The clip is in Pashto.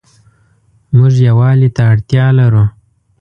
موږ يووالي ته اړتيا لرو